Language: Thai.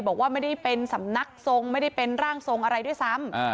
บอกว่าไม่ได้เป็นสำนักทรงไม่ได้เป็นร่างทรงอะไรด้วยซ้ำ